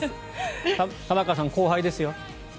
玉川さん、後輩ですよ。